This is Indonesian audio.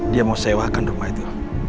dia mau sewakan rumah itu